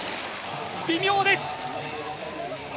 微妙です。